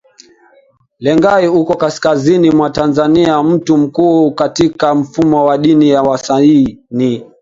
Lengai uko kaskazini mwa Tanzania Mtu mkuu katika mfumo wa dini ya Wamasai ni